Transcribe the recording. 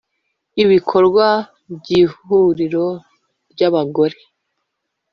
ibikorwa by Ihuriro ry’abagore